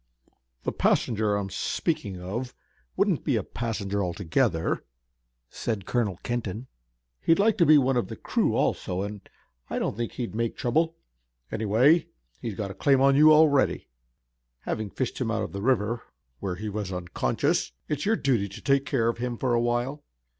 "The passenger that I'm speaking of wouldn't be a passenger altogether," said Colonel Kenton. "He'd like to be one of the crew also, and I don't think he'd make trouble. Anyway, he's got a claim on you already. Having fished him out of the river, where he was unconscious, it's your duty to take care of him for a while.